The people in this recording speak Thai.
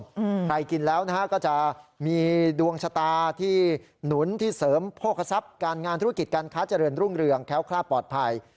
ใครกินแล้วนะฮะก็จะมีดวงชะตาที่หนุนที่เสริมโภคทรัพย์การงานธุรกิจการค้าเจริญรุ่งเรืองแค้วคลาดปลอดภัย